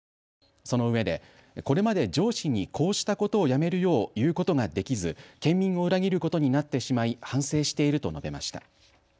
そのうえでこれまで上司にこうしたことをやめるよう言うことができず県民を裏切ることになってしまい反省していると述べました。